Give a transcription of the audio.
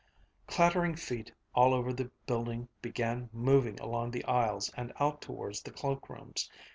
Clattering feet all over the building began moving along the aisles and out towards the cloakrooms.